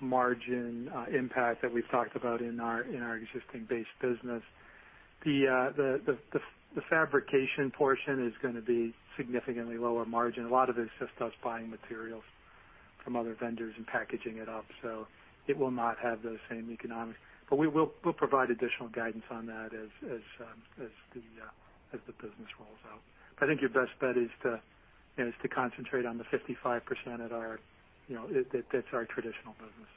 margin impact that we've talked about in our existing base business. The fabrication portion is going to be significantly lower margin. A lot of it is just us buying materials from other vendors and packaging it up. So it will not have those same economics. But we'll provide additional guidance on that as the business rolls out. But I think your best bet is to concentrate on the 55% that's our traditional business.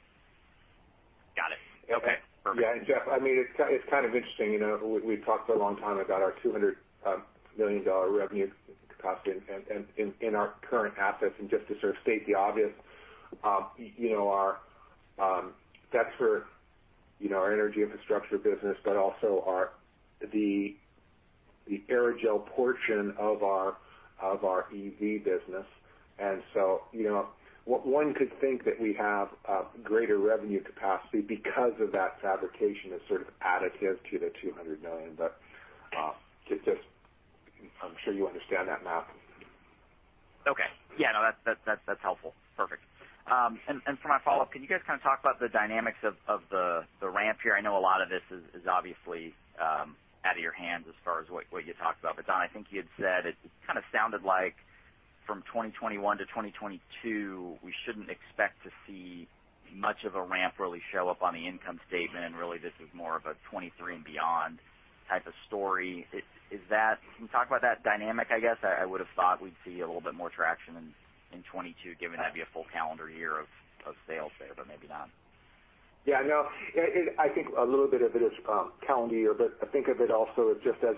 Got it. Okay. Perfect. Yeah. And Jeff, I mean, it's kind of interesting. We've talked for a long time about our $200 million revenue capacity in our current assets. And just to sort of state the obvious, that's for our energy infrastructure business, but also the aerogel portion of our EV business. And so one could think that we have greater revenue capacity because of that fabrication as sort of additive to the 200 million. But I'm sure you understand that math. Okay. Yeah. No, that's helpful. Perfect. And for my follow-up, can you guys kind of talk about the dynamics of the ramp here? I know a lot of this is obviously out of your hands as far as what you talked about. But John, I think you had said it kind of sounded like from 2021 to 2022, we shouldn't expect to see much of a ramp really show up on the income statement. And really, this is more of a 2023 and beyond type of story. Can you talk about that dynamic, I guess? I would have thought we'd see a little bit more traction in 2022, given that'd be a full calendar year of sales there, but maybe not. Yeah. No. I think a little bit of it is calendar year. But I think of it also just as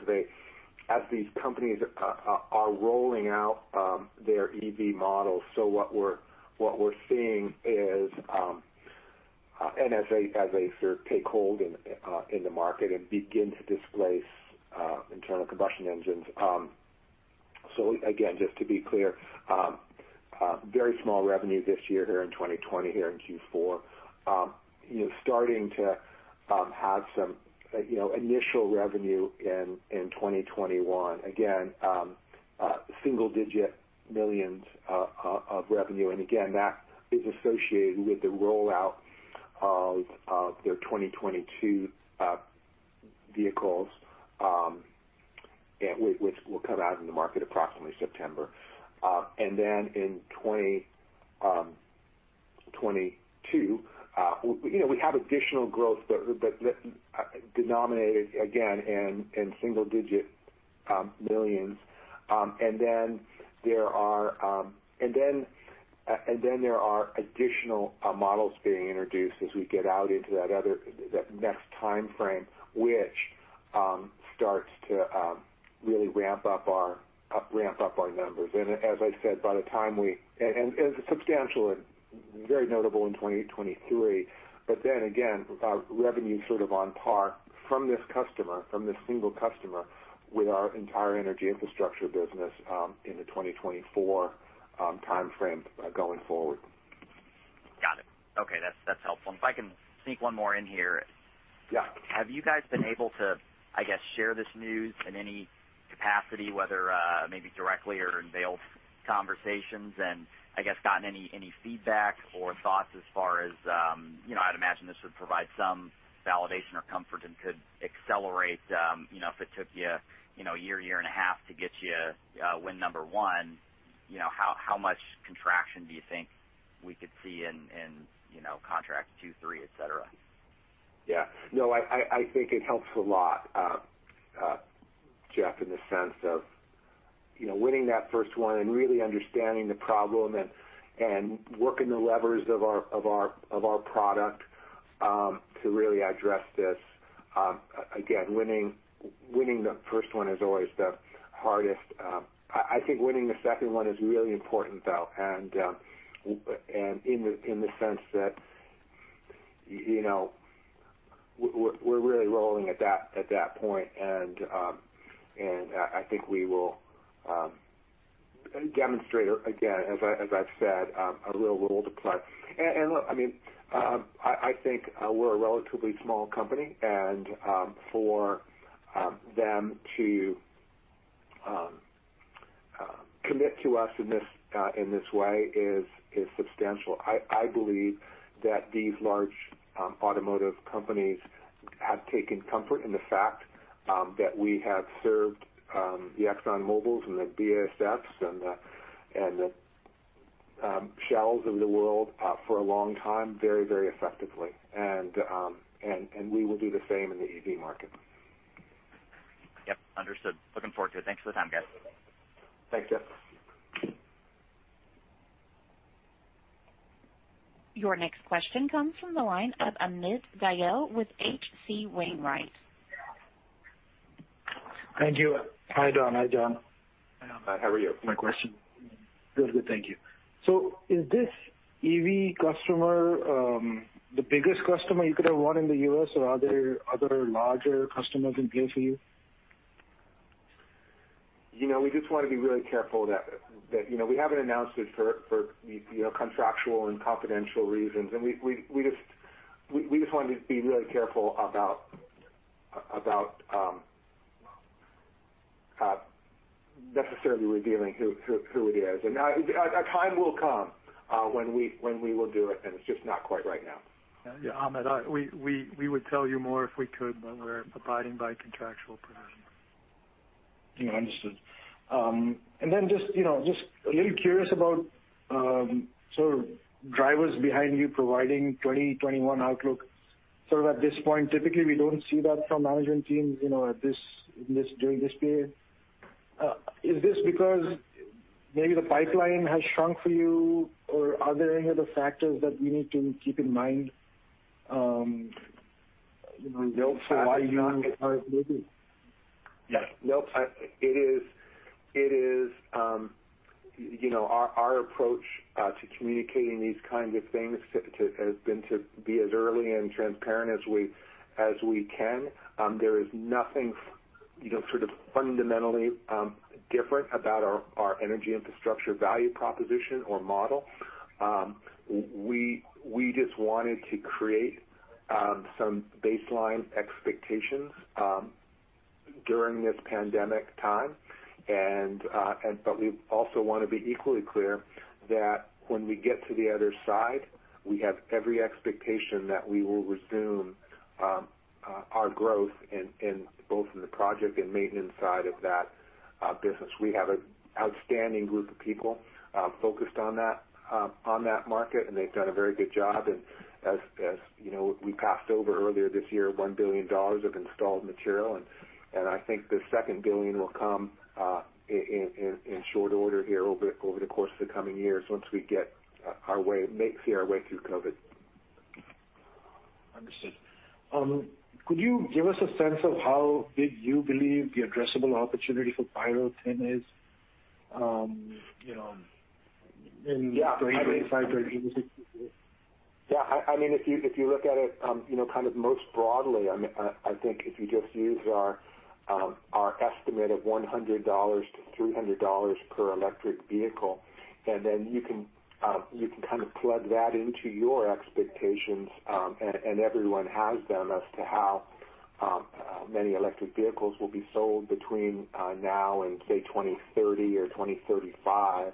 these companies are rolling out their EV models. So what we're seeing is, and as they sort of take hold in the market and begin to displace internal combustion engines. So again, just to be clear, very small revenue this year here in 2020 here in Q4, starting to have some initial revenue in 2021. Again, single-digit millions of revenue. And again, that is associated with the rollout of their 2022 vehicles, which will come out in the market approximately September. And then in 2022, we have additional growth denominated, again, in single-digit millions. And then there are additional models being introduced as we get out into that next time frame, which starts to really ramp up our numbers. And as I said, substantial and very notable in 2023. But then again, revenue sort of on par from this customer, from this single customer, with our entire energy infrastructure business in the 2024 time frame going forward. Got it. Okay. That's helpful. And if I can sneak one more in here, have you guys been able to, I guess, share this news in any capacity, whether maybe directly or in veiled conversations, and I guess gotten any feedback or thoughts as far as, I'd imagine this would provide some validation or comfort and could accelerate if it took you a year, year and a half to get your win number one. How much contraction do you think we could see in contract Q3, etc.? Yeah. No, I think it helps a lot, Jeff, in the sense of winning that first one and really understanding the problem and working the levers of our product to really address this. Again, winning the first one is always the hardest. I think winning the second one is really important, though, and in the sense that we're really rolling at that point. And I think we will demonstrate, again, as I've said, a real role to play. And look, I mean, I think we're a relatively small company. And for them to commit to us in this way is substantial. I believe that these large automotive companies have taken comfort in the fact that we have served the ExxonMobils and the BASFs and the Shells of the world for a long time very, very effectively. And we will do the same in the EV market. Yep. Understood. Looking forward to it. Thanks for the time, guys. Thanks, Jeff. Your next question comes from the line of Amit Dayal with H.C. Wainwright. Thank you. Hi, John. How are you doing? How are you? Good. Thank you. So is this EV customer the biggest customer you could have won in the U.S., or are there other larger customers in place for you? We just want to be really careful that we haven't announced it for contractual and confidential reasons. And we just want to be really careful about necessarily revealing who it is. And a time will come when we will do it, and it's just not quite right now. Yeah. Amit, we would tell you more if we could, but we're abiding by contractual provision. Understood. And then just a little curious about sort of drivers behind you providing 2021 outlook. Sort of at this point, typically, we don't see that from management teams during this period. Is this because maybe the pipeline has shrunk for you, or are there any other factors that we need to keep in mind for why you are maybe? Yeah. Nope. It is our approach to communicating these kinds of things has been to be as early and transparent as we can. There is nothing sort of fundamentally different about our energy infrastructure value proposition or model. We just wanted to create some baseline expectations during this pandemic time. But we also want to be equally clear that when we get to the other side, we have every expectation that we will resume our growth both in the project and maintenance side of that business. We have an outstanding group of people focused on that market, and they've done a very good job. And as we passed over earlier this year, $1 billion of installed material. And I think the second billion will come in short order here over the course of the coming years once we see our way through COVID. Understood. Could you give us a sense of how big you believe the addressable opportunity for PyroThin is in 2023? Yeah. Yeah. I mean, if you look at it kind of most broadly, I mean, I think if you just use our estimate of $100-$300 per electric vehicle, and then you can kind of plug that into your expectations, and everyone has them as to how many electric vehicles will be sold between now and, say, 2030 or 2035.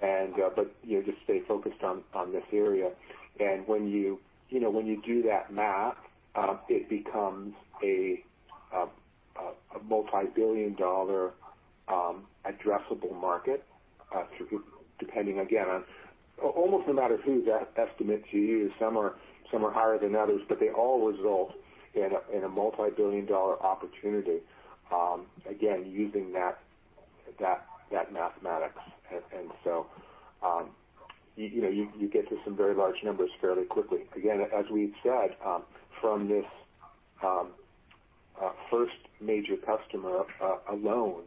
But just stay focused on this area. And when you do that math, it becomes a multi-billion dollar addressable market, depending, again, on almost no matter whose estimates you use. Some are higher than others, but they all result in a multi-billion dollar opportunity, again, using that mathematics. And so you get to some very large numbers fairly quickly. Again, as we've said, from this first major customer alone,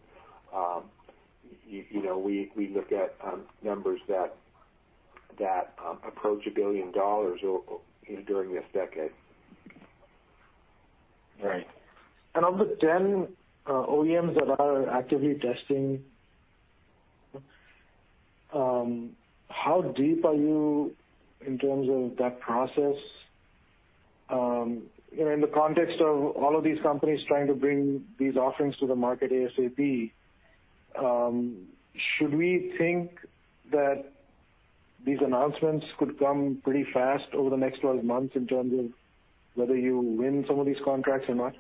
we look at numbers that approach a billion dollars during this decade. Right. And of the 10 OEMs that are actively testing, how deep are you in terms of that process? In the context of all of these companies trying to bring these offerings to the market ASAP, should we think that these announcements could come pretty fast over the next 12 months in terms of whether you win some of these contracts or not?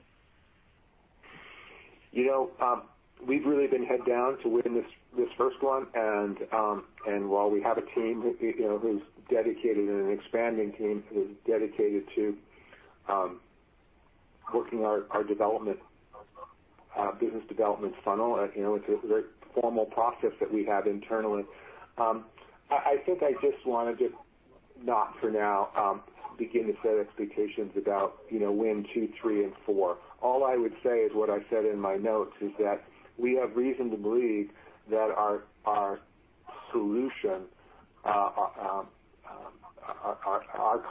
We've really been heads down to win this first one. While we have a team who's dedicated and an expanding team who's dedicated to working our business development funnel, it's a very formal process that we have internally. I think I just wanted to, not for now, begin to set expectations about win one, two, three, and four. All I would say is what I said in my notes is that we have reason to believe that our solution, our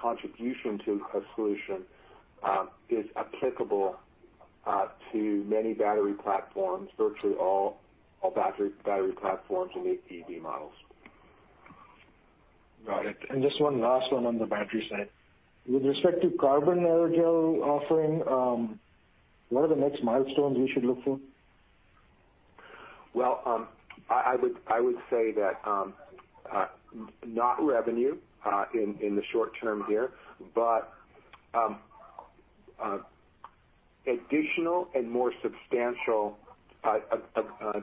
contribution to a solution, is applicable to many battery platforms, virtually all battery platforms in the EV models. Got it. And just one last one on the battery side. With respect to carbon aerogel offering, what are the next milestones you should look for? I would say that not revenue in the short term here, but additional and more substantial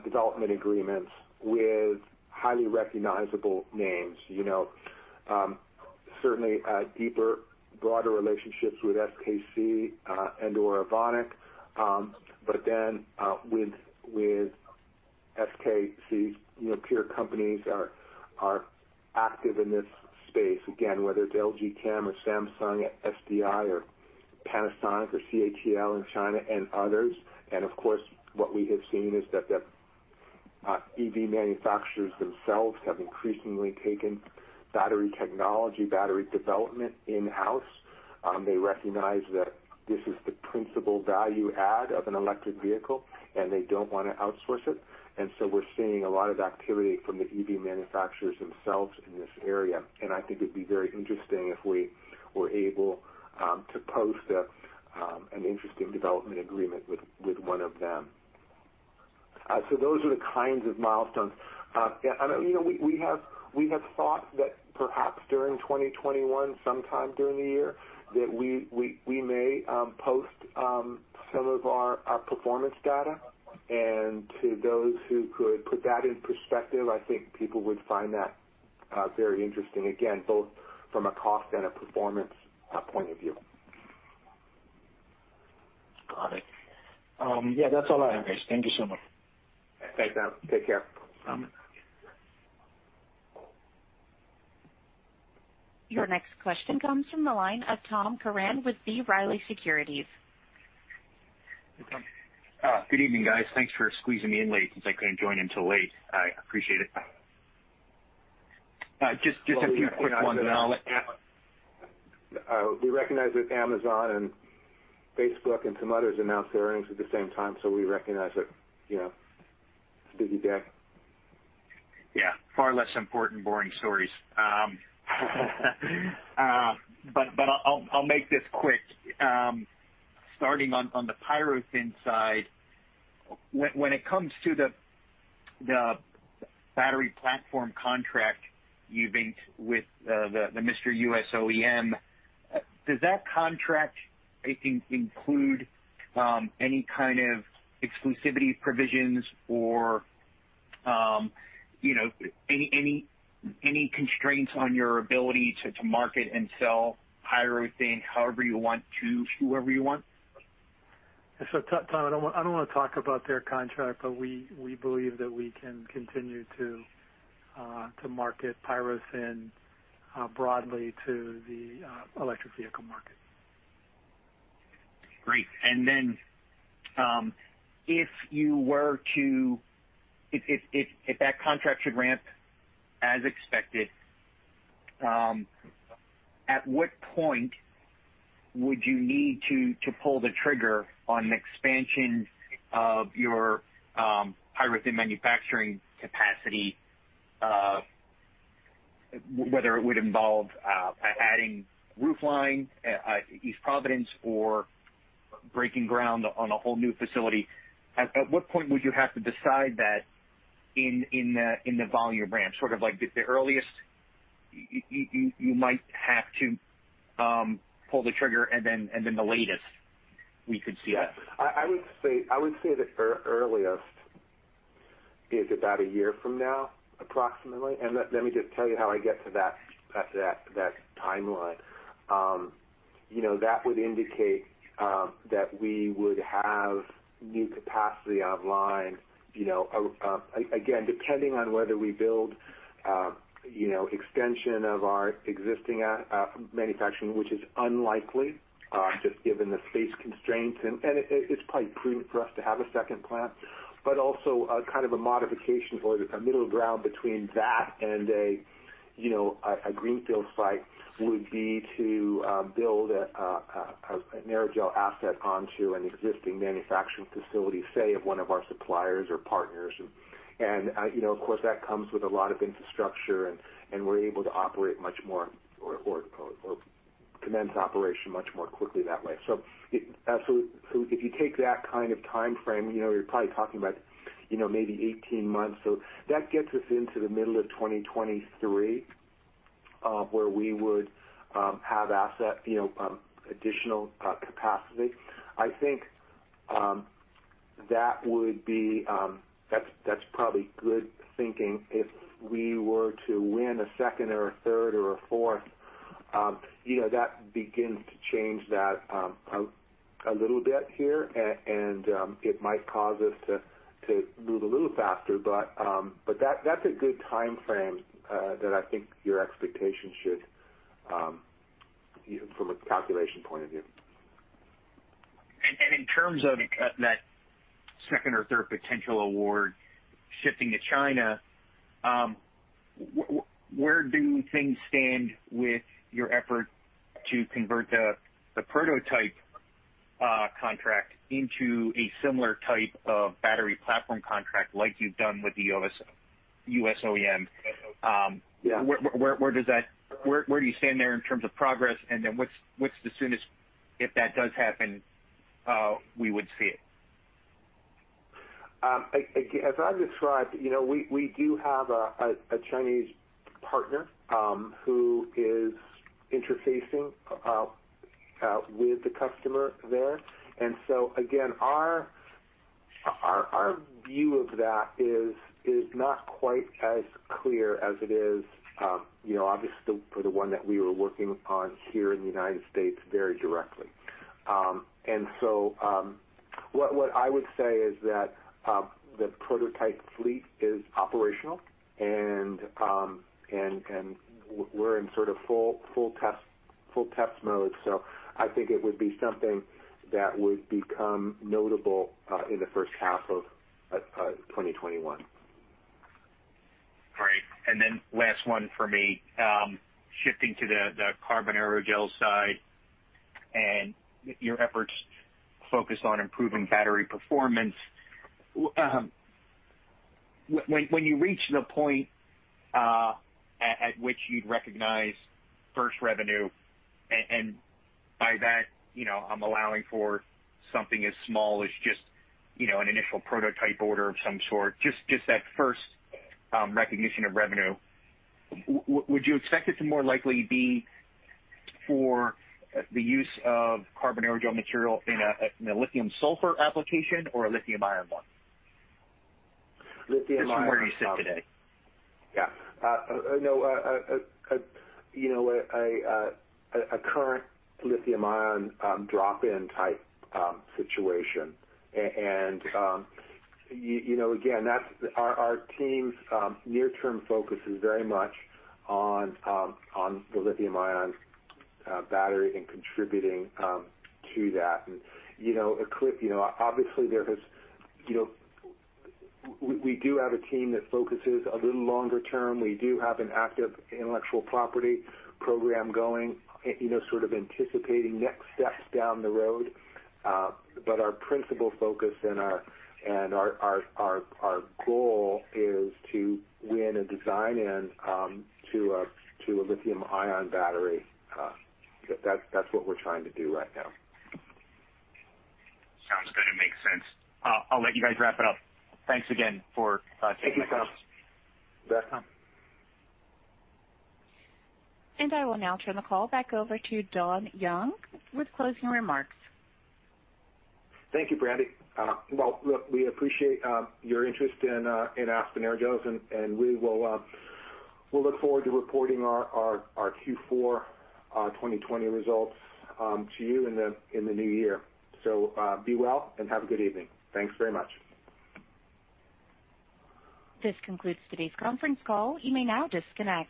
development agreements with highly recognizable names. Certainly, deeper, broader relationships with SKC and/or Evonik. Then with SKC's peer companies that are active in this space, again, whether it's LG Chem or Samsung SDI or Panasonic or CATL in China and others. Of course, what we have seen is that the EV manufacturers themselves have increasingly taken battery technology, battery development in-house. They recognize that this is the principal value add of an electric vehicle, and they don't want to outsource it. We're seeing a lot of activity from the EV manufacturers themselves in this area. I think it'd be very interesting if we were able to post an interesting development agreement with one of them. Those are the kinds of milestones. And we have thought that perhaps during 2021, sometime during the year, that we may post some of our performance data. And to those who could put that in perspective, I think people would find that very interesting, again, both from a cost and a performance point of view. Got it. Yeah. That's all I have, guys. Thank you so much. Thanks, Amit. Take care. Bye. Your next question comes from the line of Tom Curran with B. Riley Securities. Good evening, guys. Thanks for squeezing me in late since I couldn't join until late. I appreciate it. Just a few quick ones, and I'll let you. We recognize that Amazon and Facebook and some others announced their earnings at the same time, so we recognize that it's a busy day. Yeah. Far less important, boring stories. But I'll make this quick. Starting on the PyroThin side, when it comes to the battery platform contract you've inked with the major US OEM, does that contract include any kind of exclusivity provisions or any constraints on your ability to market and sell PyroThin however you want to, whoever you want? So, Tom, I don't want to talk about their contract, but we believe that we can continue to market PyroThin broadly to the electric vehicle market. Great. And then if that contract should ramp as expected, at what point would you need to pull the trigger on the expansion of your PyroThin manufacturing capacity, whether it would involve adding roof line, East Providence, or breaking ground on a whole new facility? At what point would you have to decide that in the volume ramp? Sort of like the earliest you might have to pull the trigger and then the latest we could see? I would say the earliest is about a year from now, approximately, and let me just tell you how I get to that timeline. That would indicate that we would have new capacity online. Again, depending on whether we build extension of our existing manufacturing, which is unlikely just given the space constraints, and it's probably prudent for us to have a second plant. But also kind of a modification or a middle ground between that and a greenfield site would be to build an aerogel asset onto an existing manufacturing facility, say, of one of our suppliers or partners, and of course, that comes with a lot of infrastructure, and we're able to operate much more or commence operation much more quickly that way, so if you take that kind of time frame, you're probably talking about maybe 18 months. That gets us into the middle of 2023 where we would have additional asset capacity. I think that would be. That's probably good thinking. If we were to win a second or a third or a fourth, that begins to change that a little bit here, and it might cause us to move a little faster. But that's a good time frame that I think your expectation should from a calculation point of view. And in terms of that second or third potential award shifting to China, where do things stand with your effort to convert the prototype contract into a similar type of battery platform contract like you've done with the U.S. OEM? Where do you stand there in terms of progress? And then what's the soonest? If that does happen, we would see it. As I've described, we do have a Chinese partner who is interfacing with the customer there. And so again, our view of that is not quite as clear as it is, obviously, for the one that we were working on here in the United States very directly. And so what I would say is that the prototype fleet is operational, and we're in sort of full test mode. So I think it would be something that would become notable in the first half of 2021. All right, and then last one for me, shifting to the carbon aerogel side and your efforts focused on improving battery performance. When you reach the point at which you'd recognize first revenue, and by that, I'm allowing for something as small as just an initial prototype order of some sort, just that first recognition of revenue, would you expect it to more likely be for the use of carbon aerogel material in a lithium-sulfur application or a lithium-ion one? Lithium-ion. Just from where you sit today. Yeah. No, a current lithium-ion drop-in type situation. And again, our team's near-term focus is very much on the lithium-ion battery and contributing to that. And obviously, we do have a team that focuses a little longer term. We do have an active intellectual property program going, sort of anticipating next steps down the road. But our principal focus and our goal is to win a design win to a lithium-ion battery. That's what we're trying to do right now. Sounds good. It makes sense. I'll let you guys wrap it up. Thanks again for taking the time. Thank you, Tom. I will now turn the call back over to Don Young with closing remarks. Thank you, Brandi. Well, look, we appreciate your interest in Aspen Aerogels, and we will look forward to reporting our Q4 2020 results to you in the new year. So be well and have a good evening. Thanks very much. This concludes today's conference call. You may now disconnect.